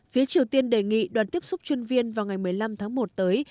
phía triều tiên đề nghị đoàn tiếp xúc chuyên viên vào ngày một mươi năm tháng một tới